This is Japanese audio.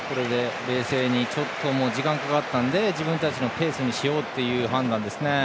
冷静に時間がかかったので自分たちのペースにしようという判断ですね。